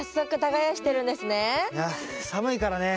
いや寒いからね。